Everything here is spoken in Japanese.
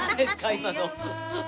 今の。